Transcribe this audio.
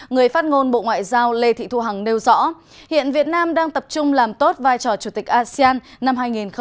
người phát ngôn bộ ngoại giao lê thị thu hằng nêu rõ hiện việt nam đang tập trung làm tốt vai trò chủ tịch asean năm hai nghìn hai mươi